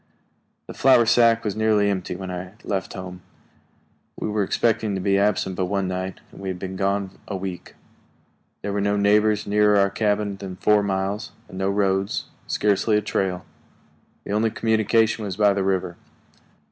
The flour sack was nearly empty when I left home. We were expecting to be absent but one night, and we had been gone a week. There were no neighbors nearer our cabin than four miles, and no roads scarcely a trail. The only communication was by the river.